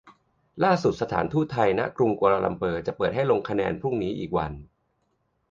ล่าสุดสถานทูตไทยณ.กรุงกัวลาลัมเปอร์จะเปิดให้ลงคะแนนพรุ่งนี้อีกวัน